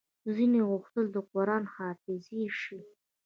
ځينو غوښتل د قران حافظې شي